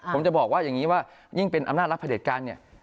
ผมจะบอกว่าอย่างนี้ว่ายิ่งเป็นอำนาจรัฐพระเด็จการเนี่ย